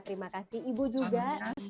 terima kasih ibu juga